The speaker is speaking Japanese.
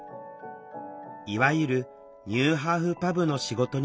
いわゆるニューハーフパブの仕事に就いた。